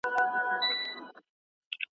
قاتل هم ورسره ژاړي لاس په وینو تر څنګلي